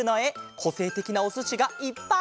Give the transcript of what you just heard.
こせいてきなおすしがいっぱい！